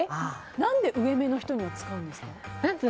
何で上めの人には使うんですか？